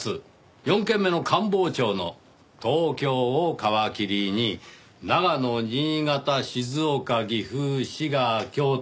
４件目の官房長の東京を皮切りに長野新潟静岡岐阜滋賀京都